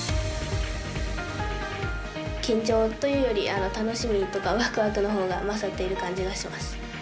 緊張というより楽しみとかワクワクのほうが勝っている感じがします。